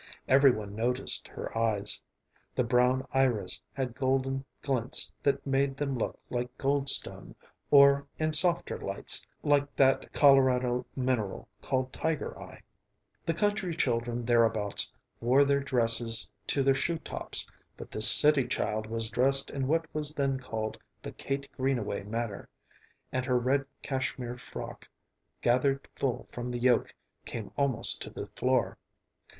Every one noticed her eyes; the brown iris had golden glints that made them look like gold stone, or, in softer lights, like that Colorado mineral called tiger eye. The country children thereabouts wore their dresses to their shoe tops, but this city child was dressed in what was then called the "Kate Greenaway" manner, and her red cashmere frock, gathered full from the yoke, came almost to the floor.